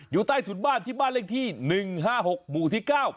อยู่ใต้ถุนบ้านที่บ้านเลขที่๑๕๖หมู่ที่๙